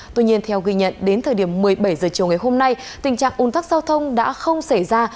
tuy nhiên theo ghi nhận đến thời điểm một mươi bảy h chiều ngày hôm nay tình trạng ủn tắc giao thông đã không xảy ra